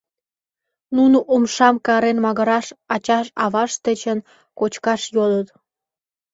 Нуно умшам Карен магыраш ачашт-авашт дечын кочкаш йодыт.